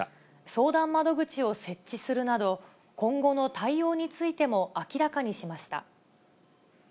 相談窓口を設置するなど、今後の対応についても明らかにしました。